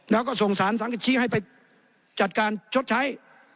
แล้วก็ส่งสารสังกัดชี้ให้ไปจัดการชดใช้